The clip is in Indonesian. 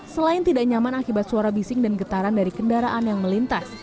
selain tidak nyaman akibat suara bising dan getaran dari kendaraan yang melintas